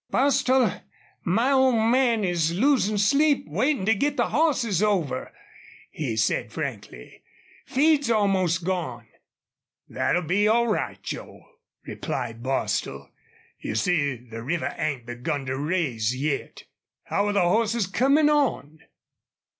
"Bostil, my ole man is losin' sleep waitin' to git the hosses over," he said, frankly. "Feed's almost gone." "That'll be all right, Joel," replied Bostil. "You see, the river ain't begun to raise yet.... How're the hosses comin' on?"